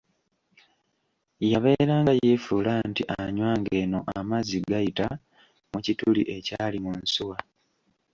Yabeeranga yeefuula nti anywa ng'eno amazzi g'ayita mu kituli ekyali mu nsuwa.